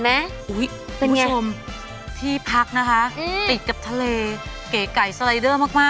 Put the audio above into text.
เฮ้ยแล้วที่พักก็ติดทะเลมัย